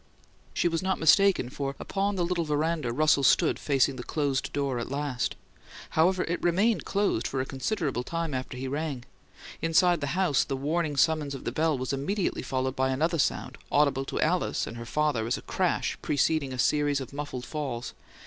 She was not mistaken, for, upon the little veranda, Russell stood facing the closed door at last. However, it remained closed for a considerable time after he rang. Inside the house the warning summons of the bell was immediately followed by another sound, audible to Alice and her father as a crash preceding a series of muffled falls.